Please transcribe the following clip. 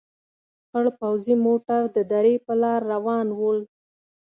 خړ پوځي موټر د درې په لار روان ول.